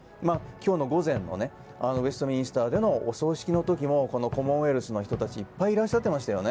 今日の午前のウェストミンスターでのお葬式の時もコモンウェルスの人たちがいっぱいいらっしゃっていました。